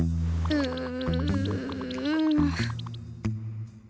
うん。